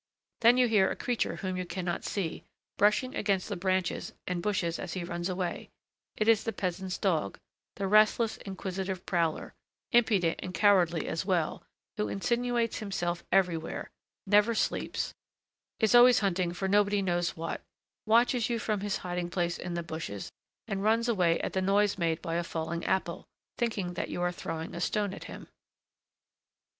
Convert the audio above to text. Then you hear a creature whom you cannot see, brushing against the branches and bushes as he runs away; it is the peasant's dog, the restless, inquisitive prowler, impudent and cowardly as well, who insinuates himself everywhere, never sleeps, is always hunting for nobody knows what, watches you from his hiding place in the bushes and runs away at the noise made by a falling apple, thinking that you are throwing a stone at him.